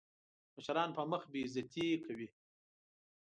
د مشرانو په مخ بې عزتي کوي.